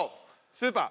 スーパー。